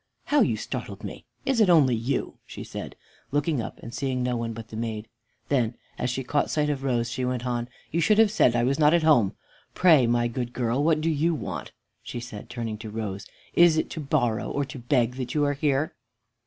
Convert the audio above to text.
"How you startled me! Is it only you?" she said, looking up and seeing no one but the maid. Then, as she caught sight of Rose, she went on, "You should have said I was not at home. Pray, my good girl, what do you want?" she said, turning to Rose. "Is it to borrow or to beg that you are here?"